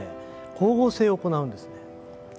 光合成を行うんですね。